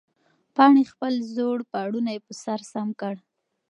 پاڼې خپل زوړ پړونی په سر سم کړ.